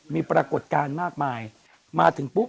มีปรากฏการณ์มากมายมาถึงปุ๊บ